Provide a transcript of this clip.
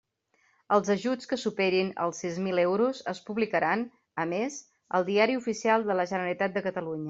Els ajuts que superin els sis mil euros es publicaran, a més, al Diari Oficial de la Generalitat de Catalunya.